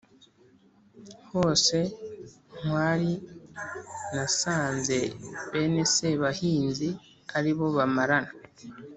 hose ntwari nasanze bene sebahinzi ari bo bamarana